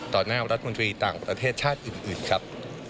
หน้ารัฐมนตรีต่างประเทศชาติอื่นครับ